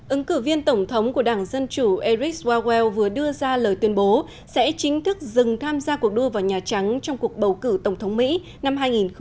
ứng cử viên tổng thống của đảng dân chủ eric swalwell vừa đưa ra lời tuyên bố sẽ chính thức dừng tham gia cuộc đua vào nhà trắng trong cuộc bầu cử tổng thống mỹ năm hai nghìn một mươi sáu